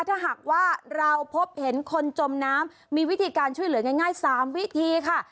ถ้าหากว่าเราพบเห็นคนจมน้ำมีวิธีการช่วยเหลือง่าย๓วิธีค่ะ